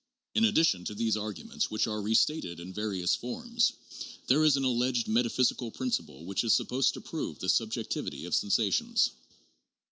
In addition to these arguments which are restated in various forms, there is an alleged metaphysical principle which is supposed to prove the subjectivity of sensations.